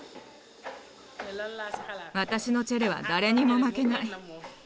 私のチェレは誰にも負けない。